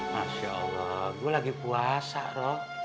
masya allah gue lagi puasa roh